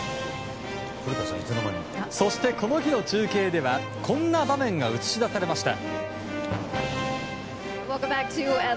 そして、この日の中継ではこんな場面が映し出されました。